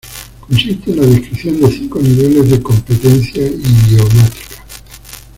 Consiste en la descripción de cinco niveles de competencia idiomática.